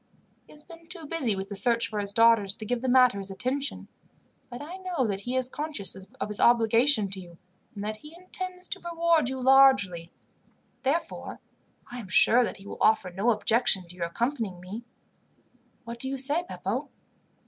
He has been too busy with the search for his daughters to give the matter his attention, but I know that he is conscious of his obligation to you, and that he intends to reward you largely. Therefore, I am sure that he will offer no objection to your accompanying me. "What do you say, Beppo?"